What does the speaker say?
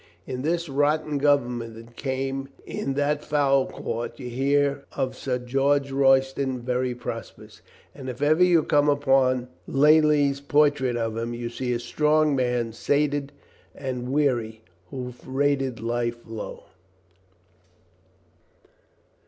In the rotten government that came, in that foul court, you hear of a Sir George Royston very prosperous. And if ever you come upon Lely's portrait of him you see a strong man, sated and weary, who rated life low.